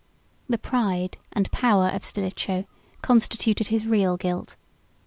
113 The pride and power of Stilicho constituted his real guilt.